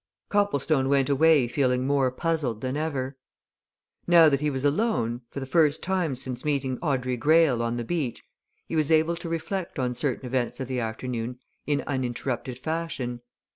Copplestone went away feeling more puzzled than ever. Now that he was alone, for the first time since meeting Audrey Greyle on the beach, he was able to reflect on certain events of the afternoon in uninterrupted fashion.